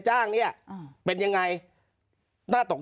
เจ้าหน้าที่แรงงานของไต้หวันบอก